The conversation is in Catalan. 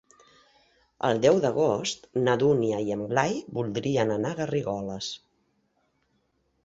El deu d'agost na Dúnia i en Blai voldrien anar a Garrigoles.